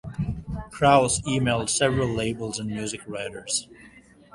Kraus emailed several labels and music writers.